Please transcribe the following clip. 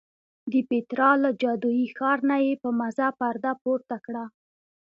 د پیترا له جادویي ښار نه یې په مزه پرده پورته کړه.